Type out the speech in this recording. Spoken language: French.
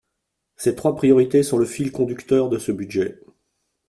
Ces trois priorités sont le fil conducteur de ce budget.